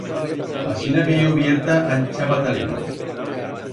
Asina que ye ubierta ancha patalera.